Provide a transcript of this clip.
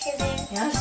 よし！